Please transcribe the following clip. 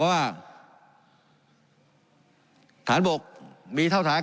การปรับปรุงทางพื้นฐานสนามบิน